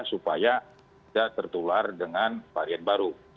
supaya tidak tertular dengan varian baru